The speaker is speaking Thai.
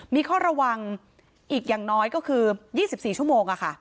มีข้อระวังอีกอย่างน้อยก็คือ๒๔ชั่วโมง